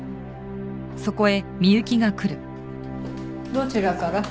どちらから？